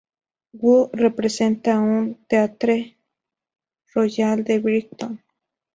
Wu", representada en el Theatre Royal de Brighton.